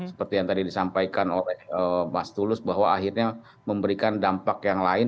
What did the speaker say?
seperti yang tadi disampaikan oleh mas tulus bahwa akhirnya memberikan dampak yang lain